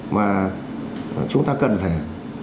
mà chúng ta cần phải